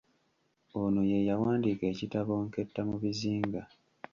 Ono ye yawandiika ekitabo “ Nketta mu bizinga".